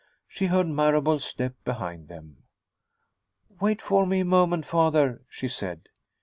She heard Marable's step behind them. "Wait for me a moment, father," she said.